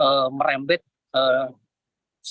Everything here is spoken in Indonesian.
jadi memang ditugas dengan cara lempet